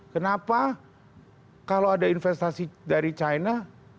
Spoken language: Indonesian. kenapa kalau ada investasi dari china